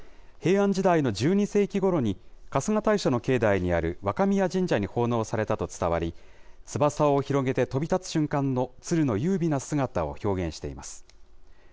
平安時代の１２世紀ごろに、春日大社の境内にある若宮神社に奉納されたと伝わり、翼を広げて飛び立つ瞬間の鶴の優美な姿を表現しています。